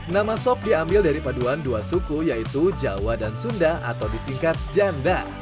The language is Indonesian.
nama sop diambil dari paduan dua suku yaitu jawa dan sunda atau disingkat janda